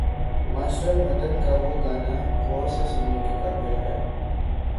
Master Madan کا وہ گانا غور سے سننے کے قابل ہے۔